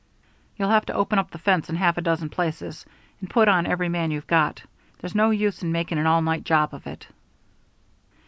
"You'll have to open up the fence in half a dozen places, and put on every man you've got. There's no use in making an all night job of it."